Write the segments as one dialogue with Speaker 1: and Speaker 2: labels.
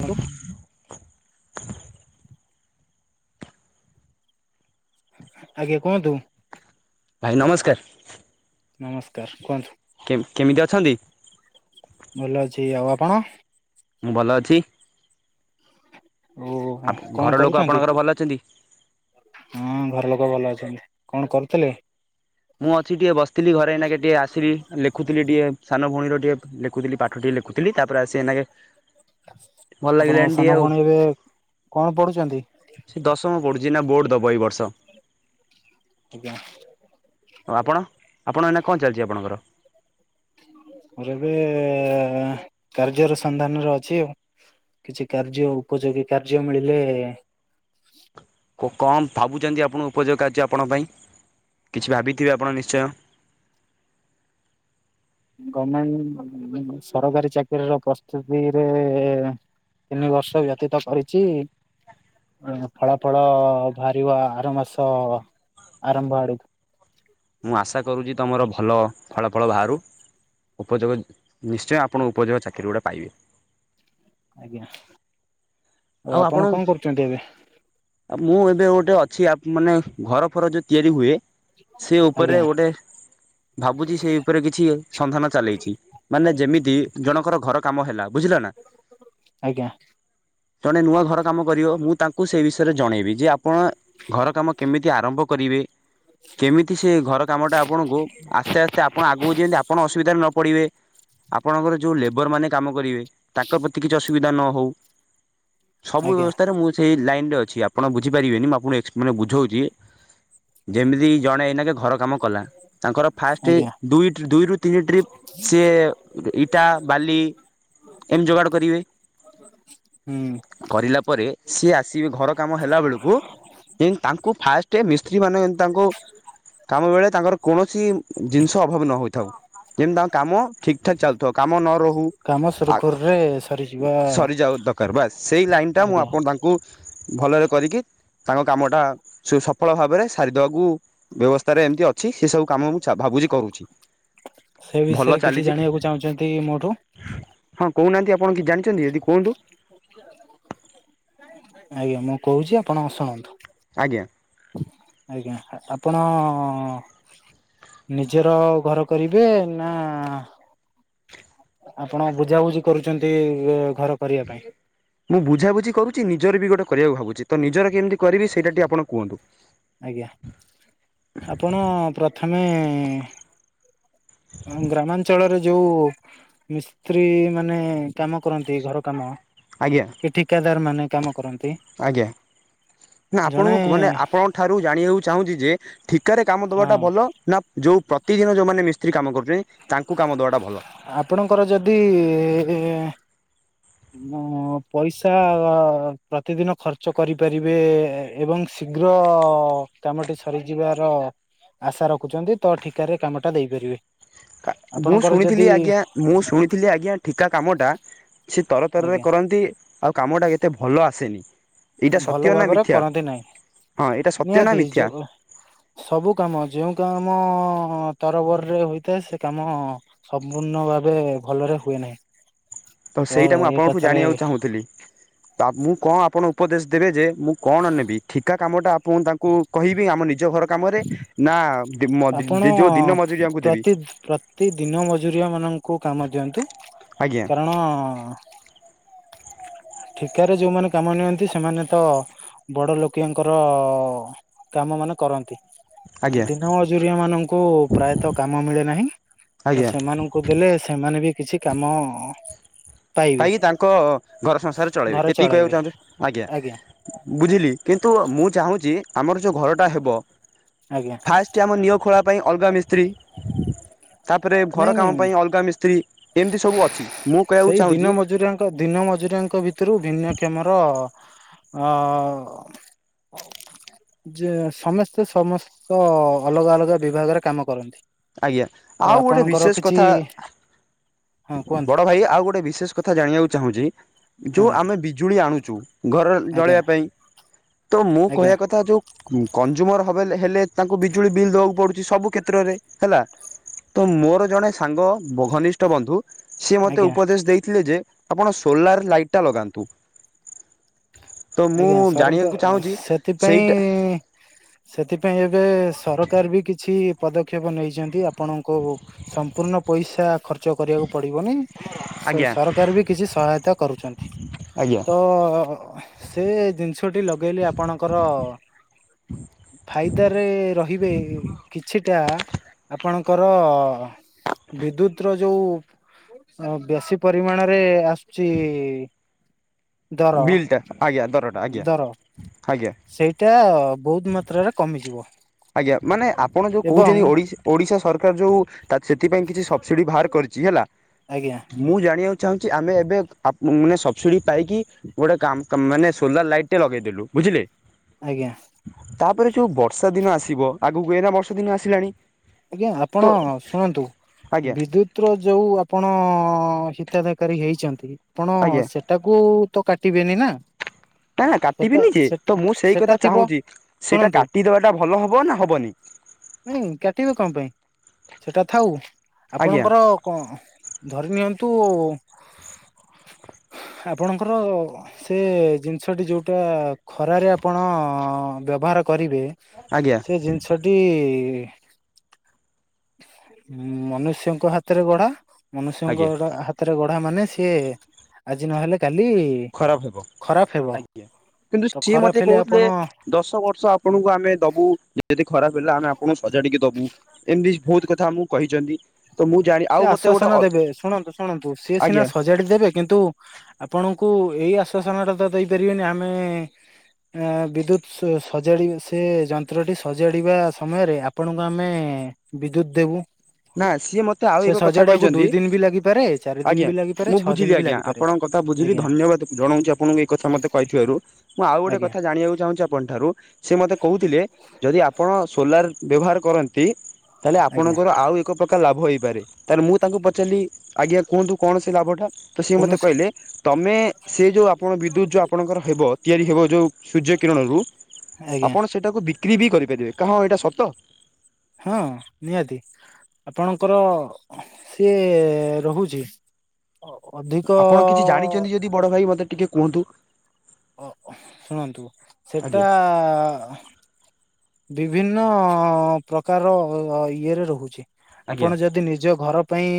Speaker 1: ଆଉ?
Speaker 2: [inaudible]
Speaker 1: ଆଜ୍ଞା କୁହନ୍ତୁ?
Speaker 2: ଭାଇ ନମସ୍କାର।
Speaker 1: ନମସ୍କାର କୁହନ୍ତୁ।
Speaker 2: କେ କେମିତି ଅଛନ୍ତି?
Speaker 1: ଭଲ ଅଛି ଆଉ ଆପଣ?
Speaker 2: ମୁଁ ଭଲ ଅଛି।
Speaker 1: ଓହୋ
Speaker 2: ଆପ ଘର
Speaker 1: କଣ
Speaker 2: ଲୋକ
Speaker 1: କରୁଚନ୍ତି?
Speaker 2: ଆପଣଙ୍କର ଭଲ ଅଛନ୍ତି?
Speaker 1: ହୁଁ ଘର ଲୋକ ଭଲ ଅଛନ୍ତି କଣ କରୁଥିଲେ?
Speaker 2: ମୁଁ ଅଛି ଟିକେ ବସିଥିଲି ଘରେଇନାକେ ଟିକେ ଆସିଲି ଲେଖୁଥିଲି ଟିକେ ସାନ ଭଉଣୀର ଟିକେ ଲେଖୁଥିଲି ପାଠ ଟିକେ ଲେଖୁ କୁଥିଲି ତାପରେ ଆସି ଏନାକେ
Speaker 1: ଆପଣଙ୍କ ସାନ ଭଉଣୀ ଏବେ କଣ ପଢୁଚନ୍ତି?
Speaker 2: ସେ ଦଶମ ପଡ଼ୁଚି ଏଇନା ବୋର୍ଟ ଦବ ଏବର୍ଷ।
Speaker 1: [inaudible]
Speaker 2: ଉ ଆପଣ ଆପଣ ଏଇନା କଣ ଚାଲିଚି ଆପଣଙ୍କର?
Speaker 1: ମୋର ଏବେ କାର୍ଯ୍ୟର ସନ୍ଧାନରେ ଅଛି ଆଉ। କିଛି କାର୍ଯ୍ୟ ଉପଯୋଗୀ କାର୍ଯ୍ୟ ମିଳିଲେ
Speaker 2: କ କମ୍ ଭାବୁଚନ୍ତି ଆପଣଙ୍କୁ ଉପଯୋଗ କାର୍ଯ୍ୟ ଆପଣଙ୍କ ପାଇଁ କିଛି ଭାବିଥିବେ ଆପଣ ନିଶ୍ଚୟ?
Speaker 1: ଗଭଣମେଣ୍ଟ ସରକାରୀ ଚାକିରିର ପ୍ରସ୍ତୁତିରେ ତିନି ବର୍ଷ ବ୍ୟତୀତ କରିଛି। ଫଳାଫଳ ବାହାରିବ ଆର ମାସ ଆରମ୍ଭ ଆଡକୁ।
Speaker 2: ମୁଁ ଆଶା କରୁଛି ତମର ଭଲ ଫଳାଫଳ ବାହାରୁ। ଉପଯୋଗ, ନିଶ୍ଚୟ ଆପଣ ଉପଯୋଗ ଚାକିରି ଗୁଡ଼ା ପାଇବେ।
Speaker 1: ଆଜ୍ଞା, ଆଉ ଆପଣ କଣ କରୁଛନ୍ତି ଏବେ?
Speaker 2: ଆ ମୁଁ ଏବେ ଗୋଟେ ଅଛି ଆ ମାନେ ଘର ଫର ଯୋଉ ତିଆରି ହୁଏ। ସେ ଉପରେ
Speaker 1: ଆଜ୍ଞା
Speaker 2: ଗୋଟେ, ଭାବୁଛି ସେଇ ଉପରେ କିଛି ସନ୍ଧାନ ଚାଲେଇଛି। ମାନେ ଯେମିତି ଜଣଙ୍କର ଘର କାମ ହେଲା ବୁଝିଲ ନା।
Speaker 1: ଆଜ୍ଞା।
Speaker 2: ଜଣେ ନୂଆ ଘର କାମ କରିବ ମୁଁ ତାଙ୍କୁ ସେ ବିଷୟ ରେ ଜଣେଇବି ଯେ, ଆପଣ ଘର କାମ କେମିତି ଆରମ୍ଭ କରିବେ? କେମିତି ସେ ଘର କାମ ଟା ଆପଣଙ୍କୁ ଆସ୍ତେ ଆସ୍ତେ ଆପଣ ଆଗକୁ ଯେମିତି ଆପଣ ଅସୁବିଧାରେ ନ ପଡିବେ। ଆପଣଙ୍କର ଯୋଉ ଲେବରମାନେ କାମ କରିବେ ତାଙ୍କ ପ୍ରତି କିଛି ଅସୁବିଧା ନ ହେଉ। ସବୁ
Speaker 1: ଆଜ୍ଞା
Speaker 2: ବ୍ୟବସ୍ଥାରେ ମୁଁ ସେଇ ଲାଇନରେ ଅଛି। ଅଛି। ଆପଣ ବୁଝିପାରିବେନି ମୁଁ ଆପଣଙ୍କୁ ଏକ୍ସ ମାନେ ବୁଝଉଛି ଯେମିତି ଜଣେ ଏଇନାକେ ଘର କାମ କଲା, ତାଙ୍କର ଫାଷ୍ଟ
Speaker 1: ଆଜ୍ଞା
Speaker 2: ଦୁଇ ଦୁଇରୁ ତିନି ଟ୍ରିପ୍ ସିଏ ଇଟା ବାଲି କେମିତି ଯୋଗାଡ଼ କରିବେ।
Speaker 1: ହୁଁ [inaudible] ହୁଁ।
Speaker 2: କରିଲା ପରେ ସିଏ ଆସିବେ ଘର କାମ ହେଲା ବେଳକୁ ଯେମିତି ତାଙ୍କୁ ଫାଷ୍ଟ ମିସ୍ତ୍ରୀ ମାନେ ତାଙ୍କୁ କାମ ବେଳେ ତାଙ୍କର କୌଣସି ଜିନିଷ ଅଭାବ ନ ହୋଇଥାଉ। ଯେମିତି ତାଙ୍କ କାମ ଠିକ୍ ଠାକ୍ ଚାଲଥାଉ କାମ ନ ରହୁ।
Speaker 1: କାମ ସୁରୁଖୁରୁରେ ସରିଯିବା
Speaker 2: ସରିଯାଉ ଦରକାର ବାସ୍। ସେଇ ଲାଇନ ଟା ମୁଁ
Speaker 1: ଆଜ୍ଞା
Speaker 2: ଆପଣ ତାଙ୍କୁ ଭଲରେ କରିକି ତାଙ୍କ କାମଟା ସଫଳ ଭାବରେ ସାରିଦବାକୁ ବ୍ୟବସ୍ଥାରେ ଏମିତି ଅଛି ସେ ସବୁ କାମ ମୁଁ ଭାବୁଛି କହୁଛି।
Speaker 1: ସେ ବିଷୟରେ କିଛି ଜାଣିବାକୁ ଚାହୁଁଛନ୍ତି ମୋଠୁ।
Speaker 2: ହଁ, କହୁନାହାନ୍ତି ଆପଣ କିଛି ଜାଣିଛନ୍ତି ଯଦି କୁହନ୍ତୁ?
Speaker 1: ଆଜ୍ଞା, ମୁଁ କହୁଛି ଆପଣ ଶୁଣନ୍ତୁ।
Speaker 2: ଆଜ୍ଞା।
Speaker 1: ଆଜ୍ଞା, ଆପଣ ନିଜର ଘର କରିବେ ନା? ଆପଣ ବୁଝାବୁଝି କରୁଛନ୍ତି ଘର କରିଆ ପାଇଁ।
Speaker 2: ମୁଁ ବୁଝାବୁଝି କରୁଚି ନିଜର ବି ଗୋଟେ କରିବାକୁ ଭାବୁଚି, ତ ନିଜର କେମିତି କରିବି ସେଇଟା ଟିକେ ଆପଣ କୁହନ୍ତୁ।
Speaker 1: ଆଜ୍ଞା। ଆପଣ ପ୍ରଥମେ ଆମ ଗ୍ରାମାଞ୍ଚଳରେ ଯୋଉ ମିସ୍ତ୍ରୀ ମାନେ କାମ କରନ୍ତି ଘର କାମ।
Speaker 2: ଆଜ୍ଞା।
Speaker 1: ଏ ଠିକାଦାର ମାନେ କାମ କରନ୍ତି
Speaker 2: ଆଜ୍ଞା। ନା
Speaker 1: ଜଣେ
Speaker 2: ଆପଣଙ୍କୁ ମାନେ ଆପଣଙ୍କ ଠାରୁ ଜାଣିବାକୁ ଚାହୁଁଛି ଯେ ଠିକାରେ କାମ
Speaker 1: ହଁ
Speaker 2: ଦବାଟା ଭଲ ନା ଯୋଉ ପ୍ରତିଦିନ ଯୋଉମାନେ ମିସ୍ତ୍ରୀ କାମ କରୁଛନ୍ତି ତାଙ୍କୁ କାମ ଦବାଟା ଭଲ।
Speaker 1: ଆପଣଙ୍କର ଯଦି ଉଁ ପଇସା ପ୍ରତିଦିନ ଖର୍ଚ୍ଚ କରିପାରିବେ ଏବଂ ଶୀଘ୍ର ଅ କାମଟି ସରିଯିବାର ଆଶା ରଖୁଚନ୍ତି ତ ଠିକାରେ କାମଟା ଦେଇପାରିବେ।
Speaker 2: କା ମୁଁ
Speaker 1: ଆପଣଙ୍କର
Speaker 2: ଶୁଣିଥିଲି
Speaker 1: ଯଦି
Speaker 2: ଆଜ୍ଞା ମୁଁ ଶୁଣିଥିଲି ଆଜ୍ଞା ଠିକା କାମଟା ସେ ତର ତରରେ
Speaker 1: ଆଜ୍ଞା
Speaker 2: କରନ୍ତି ଆଉ କାମ ଟା ଏତେ ଭଲ ଆସେନି। ଏଇଟା
Speaker 1: ଭଲ
Speaker 2: ସତ୍ୟ ନା
Speaker 1: ଭାବରେ
Speaker 2: ମିଥ୍ୟା
Speaker 1: କରନ୍ତି ନାହିଁ
Speaker 2: ହଁ ଏଇଟା ସତ୍ୟ ନା
Speaker 1: ନିହାତି
Speaker 2: ମିଥ୍ୟା?
Speaker 1: ଯୋଉ ସବୁ କାମ ଯେଉଁ କାମ ଅ ତରବରରେ ହୋଇଥାଏ ସେ କାମ ସମ୍ପୂର୍ଣ୍ଣ ଭାବେ ଭଲରେ ହୁଏ ନାହିଁ।
Speaker 2: ତ ସେଇଟା ମୁଁ
Speaker 1: ଏ
Speaker 2: ଆପଣଠୁ
Speaker 1: କଥାରେ
Speaker 2: ଜାଣିବାକୁ ଚାହୁଁଥିଲି। ତା ମୁଁ କଣ ଆପଣ ଉପଦେଶ ଦେବେ ଯେ ମୁଁ କଣ ନେବି ଠିକା କାମଟା ଆପଣ ତାଙ୍କୁ କହିବେ ଆମ ନିଜ ଘର କାମରେ ନା ଦି ମ ଦି
Speaker 1: ଆପଣ
Speaker 2: ଦି ଯଉ ଦିନ ମଜୁରିଆଙ୍କୁ ଦେବି।
Speaker 1: ପ୍ରତି ଦିନ ମଜୁରିଆ ମାନଙ୍କୁ କାମ ଦିଅନ୍ତୁ
Speaker 2: ଆଜ୍ଞା
Speaker 1: କାରଣ ଅ ଠିକାରେ ଯୋଉମାନେ କାମ ନିଅନ୍ତି ସେମାନେ ତ ବଡ ଲୋକିଆଙ୍କର ଅ କାମ ମାନେ କରନ୍ତି।
Speaker 2: ଆଜ୍ଞା
Speaker 1: ଦିନ ମଜୁରିଆମାନଙ୍କୁ ପ୍ରାୟତଃ କାମ ମିଳେ ନାହିଁ ତ
Speaker 2: ଆଜ୍ଞା
Speaker 1: ସେମାନଙ୍କୁ ଦେଲେ ସେମାନେ ବି କିଛି କାମ ଅ
Speaker 2: ପାଇକି ତାଙ୍କ ଘର ସଂସାର ଚଳେଇବେ
Speaker 1: ଘର
Speaker 2: ଏତିକି କହିଆକୁ
Speaker 1: ଚଳାଇବେ
Speaker 2: ଚାହୁଁଛ, ଆଜ୍ଞା ବୁଝିଲି। କିନ୍ତୁ ମୁଁ ଚାହୁଁଚି ଆମର ଯେଉଁ ଘରଟା ହେବ
Speaker 1: ଆଜ୍ଞା।
Speaker 2: କି ଆମ ନିଅ ଖୋଳା ପାଇଁ ଅଲଗା ମିସ୍ତ୍ରୀ ତାପରେ
Speaker 1: ନାଇଁ
Speaker 2: ଘର
Speaker 1: ନାଇଁ
Speaker 2: କାମ ପାଇଁ ଅଲଗା ମିସ୍ତ୍ରୀ ଏମିତି ସବୁ ଅଛି ମୁଁ କହିଆ କୁ
Speaker 1: ସେଇ ଦିନ ମଜୁରିଆଙ୍କ ଦିନ ମଜୁରିଆଙ୍କ ଭିତରୁ ଭିନ୍ନକ୍ଷମର ଅ ଯେ ସମସ୍ତେ ସମସ୍ତ ଅଲଗା ଅଲଗା ବିଭାଗରେ କାମ କରନ୍ତି।
Speaker 2: ଆଜ୍ଞା
Speaker 1: ତ
Speaker 2: ଆଉ ଗୋଟେ
Speaker 1: ଆପଣଙ୍କର
Speaker 2: ବିଶେଷ
Speaker 1: କିଛି
Speaker 2: କଥା,
Speaker 1: ହଁ କୁହନ୍ତୁ
Speaker 2: ବଡ ଭାଇ ଆଉ ଗୋଟେ ବିଶେଷ କଥା ଜାଣିଆ କୁ ଚାହୁଁଚି,
Speaker 1: ହଁ
Speaker 2: ଯୋଉ ଆମେ ବିଜୁଳି ଆଣୁଚୁ ଘର
Speaker 1: ଆଜ୍ଞା
Speaker 2: ଜଳେଇବା ପାଇଁ, ତ ମୁଁ
Speaker 1: ଆଜ୍ଞା
Speaker 2: କହିବା କଥା ଯଉ ହୁଁ କନଜୁମର ହବେଳ ହେଲେ ତାଙ୍କୁ ବିଜୁଳି ବିଲ୍ ଦେବାକୁ ପଡୁଚି ସବୁ କ୍ଷେତ୍ରରେ ହେଲା। ତ ମୋର ଜଣେ ସାଙ୍ଗ ଘନିଷ୍ଠ ବନ୍ଧୁ ସିଏ ମତେ
Speaker 1: ଆଜ୍ଞା
Speaker 2: ଉପଦେଶ ଦେଇଥିଲେ ଯେ ଆପଣ ସୋଲାର ଲାଇଟ ଟା ଲଗାନ୍ତୁ। ତ ମୁଁ
Speaker 1: ଆଜ୍ଞା ସରଙ୍କ
Speaker 2: ଜାଣିଆ କୁ ଚାହୁଁଚି,
Speaker 1: ସେଥିପାଇଁ
Speaker 2: ସେଇଟା
Speaker 1: ସେଥିପାଇଁ ଏବେ ସରକାର ବି କିଛି ପଦକ୍ଷେପ ନେଇଛନ୍ତି ଆ ଆପଣଙ୍କୁ ସମ୍ପୂର୍ଣ୍ଣ ପଇସା ଖର୍ଚ୍ଚ କରିଆ କୁ ପଡିବନି। ଶୁ
Speaker 2: ଆଜ୍ଞା
Speaker 1: ସରକାର ବି କିଛି ସହାୟତା କରୁଛନ୍ତି।
Speaker 2: ଆଜ୍ଞା
Speaker 1: ତ ଅ ସେ ଜିନିଷଟି ଲଗେଇଲି ଆପଣଙ୍କର ଅ ଫାଇଦାରେ ରହିବେ କିଛିଟା ଆ ଆପଣଙ୍କର ଅ ବିଦ୍ୟୁତ ର ଯୋଉ ଅ ବେଶୀ ପରିମାଣରେ ଆସୁଚି ଇ ଦର
Speaker 2: ବିଲ୍ଟା ଆଜ୍ଞା ଦରଟା ଆଜ୍ଞା
Speaker 1: ଦର
Speaker 2: ଆଜ୍ଞା।
Speaker 1: ସେଇଟା ବହୁତ ମାତ୍ରାରେ କମିଯିବ।
Speaker 2: ଆଜ୍ଞା ମାନେ ଆପଣ ଯଉ
Speaker 1: ଏବଂ
Speaker 2: କହୁଛନ୍ତି ଓଡ଼ିଶ ଓଡ଼ିଶା ସରକାର ଯୋଉ ସେଥିପାଇଁ କିଛି ସବସିଡି ବାହାର କରିଚି ହେଲା
Speaker 1: ଆଜ୍ଞା।
Speaker 2: ମୁଁ ଜାଣିବାକୁ ଚାହୁଁଚି ଆମେ ଏବେ ଆପ ମାନେ ସବସିଡି ପାଇକି ଗୋଟେ କାମ ମାନେ ସୋଲାର ଲାଇଟଟେ ଲଗେଇଦେଲୁ ବୁଝିଲେ
Speaker 1: ଆଜ୍ଞା!
Speaker 2: ତାପରେ, ଯୋଉ ବର୍ଷା ଦିନ ଆସିବ ଆଗକୁ, ଏଇନା ବର୍ଷା ଦିନ ଆସିଲାଣି। ତ
Speaker 1: ଆପଣ ଶୁଣନ୍ତୁ!
Speaker 2: ଆଜ୍ଞା
Speaker 1: ବିଦ୍ୟୁତ ପ୍ର ଯୋଉ ଆପଣ ହିତାଧାରୀ ହେଇଛନ୍ତି, ଆପଣ
Speaker 2: ଆଜ୍ଞା
Speaker 1: ସେଠ୍ ତାକୁ ତ କାଟିବେନି ନା!
Speaker 2: ନା!
Speaker 1: ସେଟା
Speaker 2: କାଟିବିନି ଯେ,
Speaker 1: ସେଟା
Speaker 2: ତ ମୁଁ ସେଇ
Speaker 1: ସେଟା
Speaker 2: କଥା
Speaker 1: ଥିବ
Speaker 2: ଚାହୁଁଛି। ସେଇଟା କାଟିଦବାଟା ଭଲ ହବ ନା ହବନି?
Speaker 1: ନା! କାଟିବେ କଣ ପାଇଁ। ସେଟା ଥାଉ,
Speaker 2: ଆଜ୍ଞା
Speaker 1: ଆପଣଙ୍କର କଣ ଧରି ନିଅନ୍ତୁ
Speaker 2: [unintelligible]
Speaker 1: ଆପଣଙ୍କର ସେ ଜିନିଷଟି ଯୋଉଟା ଖରାରେ ଆପଣ ବ୍ୟବହାର କରିବେ
Speaker 2: ଆଜ୍ଞା!
Speaker 1: ସେ ଜିନିଷଟି ମନୁଷ୍ୟଙ୍କ ହାତରେ ଗଢ଼ା, ମନୁଷ୍ୟ
Speaker 2: ଆଜ୍ଞା
Speaker 1: ଙ୍କର ହା ଗଢା ମାନେ ସିଏ, ଆଜି ନହେଲେ କାଲି
Speaker 2: ଖରାପ ହବ,
Speaker 1: ଖରାପ ହେବ
Speaker 2: ଆଜ୍ଞା! କିନ୍ତୁ,
Speaker 1: ତ
Speaker 2: ସିଏ
Speaker 1: ଖରାପ
Speaker 2: ମତେ
Speaker 1: ହେଲେ
Speaker 2: କହୁଥିଲେ
Speaker 1: ଆପଣ
Speaker 2: ଦଶ ବର୍ଷ ଆପଣଙ୍କୁ ଆମେ ଦବୁ, ଯଦି ଖରାପ ହେଲା ଆମେ ଆପଣଙ୍କୁ ସଜାଡିକି ଦବୁ। ଏମିତି ବହୁତ ଥା ଆମକୁ କହିଛନ୍ତି। ତ ମୁଁ ଜାଣି ଆଉ
Speaker 1: ସେ
Speaker 2: ମତେ ଗୋଟେ
Speaker 1: ଆଶ୍ଵାସନ ଦେବେ, ଶୁଣନ୍ତୁ-ଶୁଣନ୍ତୁ ସିଏ
Speaker 2: ଆଜ୍ଞା
Speaker 1: ସିନା ସଜ ଜାଡି ଦେବେ। କିନ୍ତୁ, ଆପଣଙ୍କୁ ଏଇ ଆଶ୍ଵାସନ ଟା ତ ଦେଇପାରିବେନି ଆମେ ଆଁ! ବିଦ୍ୟୁତ ସଜାଡି ସେ ଯନ୍ତ୍ରଟି ସଜାଡ଼ିବା ସମୟରେ ଆପଣଙ୍କୁ ଆମେ ବିଦ୍ୟୁତ ଦେବୁ।
Speaker 2: ନା ସିଏ ମତେ ଆଉ
Speaker 1: ସେ
Speaker 2: ଏକ କଥା
Speaker 1: ସଜାଡିବାକୁ
Speaker 2: କହିଛନ୍ତି।
Speaker 1: ଦୁଇ ଦିନ ବି ଲାଗିପାରେ ଚାରି ଦିନ
Speaker 2: ଆଜ୍ଞା!
Speaker 1: ବି ଲାଗିପାରେ
Speaker 2: ମୁଁ
Speaker 1: ଛଅ ଦିନ
Speaker 2: ବୁଝିଲି
Speaker 1: ବି
Speaker 2: ଆଜ୍ଞା!
Speaker 1: ଲାଗିପାରେ
Speaker 2: ଆପଣଙ୍କ କଥା ବୁଝିଲି।
Speaker 1: ଆଜ୍ଞା
Speaker 2: ଧନ୍ୟବାଦ୍! ଜଣଉଛି ଆପଣଙ୍କୁ ଏଇ କଥା ମତେ କହିଥିବାରୁ, ମୁଁ ଆଉ ଗୋଟେ
Speaker 1: ଆଜ୍ଞା
Speaker 2: କଥା ଜାଣକୁ ଚାହୁଁଛି ଠାରୁ ସେ ମତେ କହୁଥିଲେ, ଯଦି ଆପଣ ସୋଲାର ବ୍ୟବହାର କରନ୍ତି ତାହେଲେ
Speaker 1: ଆଜ୍ଞା
Speaker 2: ଆପଣଙ୍କର ଆଉ ଏକ୍ ଏକ ପ୍ରକାର ଲାଭ ହେଇପାରେ। ତାହେଲେ, ମୁଁ ତାଙ୍କୁ ପଚାରିଲି, ଆଜ୍ଞା! କୁହନ୍ତୁ କଣ ସେ ଲାଭଟା। ତ, ସିଏ ମୋତେ
Speaker 1: କୌଣସି
Speaker 2: କହିଲେ। ତମେ ସେ ଯୋଉ ଆପଣ ବିଦ୍ୟୁତ, ଯୋଉ ଆପଣଙ୍କର ହେବ, ତିଆରି ହେବ ଯୋଉ ସୂର୍ଯ୍ୟ କିରଣରୁ।
Speaker 1: ଆଜ୍ଞା
Speaker 2: ଆପଣ ସେଇଟାକୁ ବିକ୍ରି ବି କରିପାରିବେ। କଅଁ ଏଇଟା ସତ?
Speaker 1: ହଁ! ନିହାତି। ଆପଣଙ୍କର ସିଏ ରହୁଛି ଅଧିକ
Speaker 2: ବଡ ଭାଇ ମୋତେ ଟିକେ କୁହନ୍ତୁ।
Speaker 1: ଶୁଣନ୍ତୁ ସେଟା
Speaker 2: ଆଜ୍ଞା
Speaker 1: ବିଭିନ୍ନ ପ୍ରକାର ଇଏରେ ରହୁଛି।
Speaker 2: ଆଜ୍ଞା।
Speaker 1: ଆପଣ ଯଦି ନିଜ ଘର ପାଇଁ,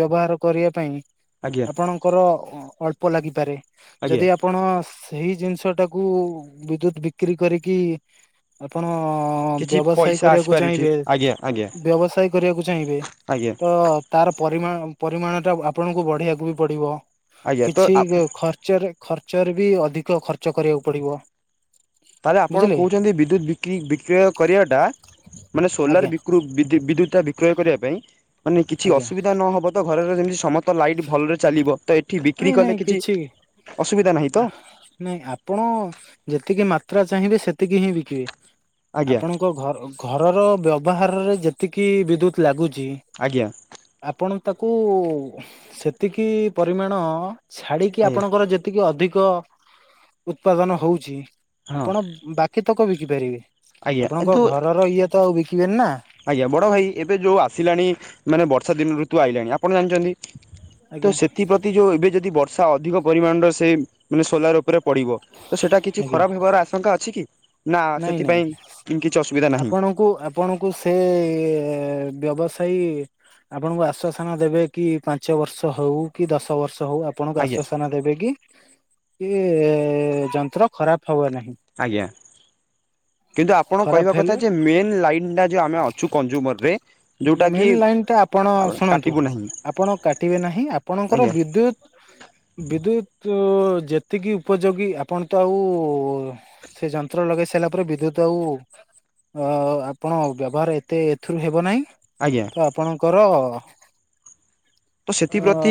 Speaker 1: ବ୍ୟବହାର କରିବା ପାଇଁ,
Speaker 2: ଆଜ୍ଞା
Speaker 1: ଆପଣ ର ଅଳ୍ପ ଲାଗିପାରେ,
Speaker 2: ଆଜ୍ଞା
Speaker 1: ଯଦି ଆପ ଆପଣ ସେଇ ଜିନିଷ ଟାକୁ ବିଦ୍ୟୁତ ବିକ୍ରି କରିକି ଓ! ଅଁ-ଆଁ ହଁ!
Speaker 2: କିଛି
Speaker 1: ବ୍ୟବସାୟ
Speaker 2: ପଇସା
Speaker 1: କରିବାକୁ
Speaker 2: ଆସିପାରୁଛି
Speaker 1: ଚାହିଁବେ,
Speaker 2: ଆଜ୍ଞା ଆଜ୍ଞା
Speaker 1: ବ୍ୟବସାୟ କରିବାକୁ ଚାହିଁବେ
Speaker 2: ଆଜ୍ଞା
Speaker 1: ତ ତାର ପରିମା ପରିମାଣ ଟା ଆପଣଙ୍କୁ ବଢେଇିବାକୁ ବି ପଡିବ,
Speaker 2: ଆଜ୍ଞା ତ
Speaker 1: କିଛି ଖର୍ଚ୍ଚରେ। ଖର୍ଚ୍ଚରେ ବି ଅଧିକ ଖର୍ଚ୍ଚ କରିବାକୁ ପଡିବ।
Speaker 2: ତାହେଲେ, ଆପଣ
Speaker 1: ବୁଝିଲେ।
Speaker 2: କହୁଛନ୍ତି ବିଦ୍ୟୁତ୍ ବିକ୍ରି ବିକ୍ରୟ କରିବାଟା ମାନେ ସୋଲାର
Speaker 1: ଆଜ୍ଞା
Speaker 2: ବିକ୍ରୁ ବିକ୍ରପ ବିଦ୍ୟୁତା କ୍ରୟ କରିବା ପାଇଁ ମାନେ କିଛି
Speaker 1: ଆଜ୍ଞା
Speaker 2: ଅସୁବିଧା ନହବ ତ ଘରେର ଯେମିତି ସମସ୍ତ ଲାଇଟ୍ ଭଲରେ ଚାଲିବ ତ ଏଠି ବିକ୍ରି
Speaker 1: ନାଇଁ ନାଇଁ
Speaker 2: କଲେ କିଛି ଅସୁବିଧା ନାହିଁ? ତ
Speaker 1: ନାଇଁ ଆପଣ ଯେତିକି ମାତ୍ରା ଚାହିଁବେ ସେତିକି ହିଁ ବିକିବେ।
Speaker 2: ଆଜ୍ଞା
Speaker 1: ଆପଣଙ୍କ ଘ ଘରର ବ୍ୟବହାରରେ ଯେତିକି ବିଦ୍ୟୁତ ଲାଗୁଛି।
Speaker 2: ଆଜ୍ଞା।
Speaker 1: ଆପଣ ତାକୁ ସେତିକି ପରିମାଣ ଛାଡିକି
Speaker 2: ଆଜ୍ଞା
Speaker 1: ଆପଣଙ୍କର ଯେ ତିକି ଅଧିକ ଉତ୍ପାଦନ ହଉଛି
Speaker 2: ହଁ
Speaker 1: ଆପଣ ବାକି ତକ ବିକି ପାରିବେ
Speaker 2: ଆଜ୍ଞା
Speaker 1: ଆପଣଙ୍କ
Speaker 2: କିନ୍ତୁ
Speaker 1: ଘରର ଇଏ ତ ଆଉ ବିକିବେନି ନା।
Speaker 2: ଆଜ୍ଞା। ବଡ ଭାଇ ଏବେ ଯୋଉ ଆସିଲାଣି ମାନେ ବର୍ଷା ଦିନ ଋତୁ ଆଇଲାଣି ଆପଣ ଜାଣିଛନ୍ତି ତ
Speaker 1: ଆଜ୍ଞା
Speaker 2: ସେଥିପ୍ରତି ଯୋଉ ଏବେ ଯଦି ବର୍ଷା ଅଧିକ ପରିମାଣରେ ସେ ମାନେ ସୋଲାର ଉପରେ ପଡ଼ିବ ତ ସେଇଟା କିଛି
Speaker 1: ଆଜ୍ଞା
Speaker 2: ଖରାପ ହେବାର ଆଶଙ୍କା ଅଛି କି ନା ସେଥିପାଇଁ କିଛି ଅସୁବିଧା ନାହିଁ?
Speaker 1: କୁ ଆପଣଙ୍କୁ ସେ ବ୍ୟବସାୟୀ ଆପଣଙ୍କୁ ଆଶ୍ଵାସନା ଦେବେ କି ପାଞ୍ଚ ବର୍ଷ ହଉ କି ଦଶ ବର୍ଷ ହଉ ଆପଣଙ୍କୁ
Speaker 2: ଆଜ୍ଞା
Speaker 1: ଆଶ୍ଵାସନା ଦେବେ କି। କି ଯନ୍ତ୍ର ଖରାପ ହବ ନାହିଁ।
Speaker 2: ଆଜ୍ଞା। କିନ୍ତୁ ଆପଣ
Speaker 1: ଖରାପ
Speaker 2: କହିବା କଥା
Speaker 1: ହେଲେ
Speaker 2: ଯେ ମେନ୍ ଲାଇନ୍ଟା ଯେ ଆମେ ଅଛୁ କଂଜ୍ୟୁମର ରେ
Speaker 1: ମେନ୍ ଲାଇନ୍ ଟା ଆପଣ ଶୁଣନ୍ତୁ
Speaker 2: କାଟିବୁ ନାହିଁ
Speaker 1: ଆପଣ କାଟିବେ ନାହିଁ ଆପଣଙ୍କର
Speaker 2: ଆଜ୍ଞା
Speaker 1: ବିଦ୍ୟୁତ ବିଦ୍ୟୁତ ଯେତିକି ଉପଯୋଗୀ ଆପଣ ତ ଆଉ ସେ ଯନ୍ତ୍ର ଲଗେଇ ସାରିଲା ପରେ ବିଦ୍ୟୁତ ଆଉ ଅ ଆପଣ ବ୍ୟବହାର ଏତେ ଏଥିରୁ ହେବ ନାହିଁ।
Speaker 2: ଆଜ୍ଞା।
Speaker 1: ତ ଆପଣଙ୍କର
Speaker 2: ତ
Speaker 1: ଅ
Speaker 2: ସେଥିପ୍ରତି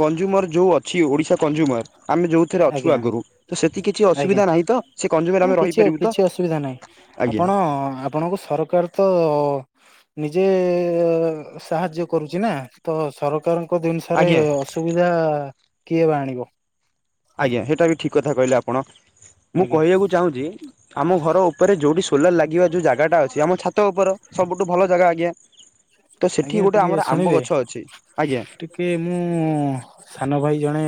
Speaker 2: କଂଜୁମର ଯୋଉ ଅଛି ଓଡିଶା କଂଜୁମର ଆମେ ଯୋଉଥିରେ ଅଛୁ
Speaker 1: ଆଜ୍ଞା
Speaker 2: ଆଗରୁ ତ ସେତିି କିଛି
Speaker 1: ଆଜ୍ଞା
Speaker 2: ଅସୁବିଧା ନାହିଁ ତ ସେ କନଜୁମର
Speaker 1: ନାଇଁ
Speaker 2: ଆମେ
Speaker 1: କିଛି
Speaker 2: ରହିପାରିବୁ ତ?
Speaker 1: କିଛି ଅସୁବିଧା ନାହିଁ
Speaker 2: ଆଜ୍ଞା
Speaker 1: ଆପଣ ଆପଣଙ୍କୁ ସରକାର ତ ନିଜେ ସାହାଯ୍ୟ କରୁଛି ନା ତ ସରକାର ଜିନିଷରେ
Speaker 2: ଆଜ୍ଞା
Speaker 1: ଅସୁବିଧା କିଏ ବା ଆଣିବ।
Speaker 2: ଆଜ୍ଞା। ସେଇଟା ବି ଠିକ କଥା କହିଲେ ଆପଣ। ମୁଁ
Speaker 1: ଆଜ୍ଞା
Speaker 2: କହିବାକୁ ଚାହୁଁଛି ଆମ ଘର ଉପରେ ଯୋଉଠି ସୋଲାର ଲାଗିବା ଯୋଉ ଜାଗା ଟା ଅଛି ଆମ ଛାତ ଉପରେ ସବୁଠୁ ଭଲ ଜାଗା ଆଜ୍ଞା ତ
Speaker 1: ଆଜ୍ଞା
Speaker 2: ସେଠି ଗୋଟେ
Speaker 1: ଟିକେ
Speaker 2: ଆମର ଆମ୍ବ
Speaker 1: ଶୁଣିବେ
Speaker 2: ଗଛ ଅଛି।
Speaker 1: ଟିକେ ମୁଁ ସାନ ଭାଇ ଜଣେ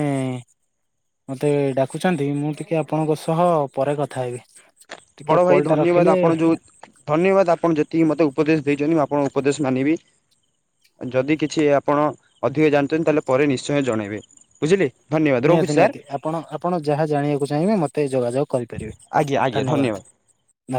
Speaker 1: ମତେ ଡାକୁଛନ୍ତି ମୁଁ ଟିକେ ଆପଣଙ୍କ ସହ ପରେ କଥା ହେବି। ଟିକେ
Speaker 2: ବଡ଼ ଭାଇ
Speaker 1: କଲ୍ ଟା
Speaker 2: ଧନ୍ୟବାଦ
Speaker 1: ରଖିଲେ
Speaker 2: ଆପଣ ଯଉ ଧନ୍ୟବାଦ ଆପଣ ଯେତିକି ମତେ ଉପଦେଶ ଦେଇଛନ୍ତି ମୁଁ ଆପଣ ଉପଦେଶ ମାନିବି। ଯଦି କିଛି ଆପଣ ଅଧିକ ଜାଣିଛନ୍ତି ତାହେଲେ ପରେ ନିଶ୍ଚୟ ଜଣେଇବେ। ବୁଝିଲି? ଧନ୍ୟବାଦ। ରହୁଛି
Speaker 1: ନିହାତି
Speaker 2: ସାର୍
Speaker 1: ନିହାତି ଆପଣ ଆପଣ ଯାହା ଜାଣିବାକୁ ଚାହିଁବେ ମୋତେ ଯୋଗାଯୋଗ କରିପାରିବେ
Speaker 2: ଆଜ୍ଞା ଆଜ୍ଞା
Speaker 1: ଧନ୍ୟବାଦ।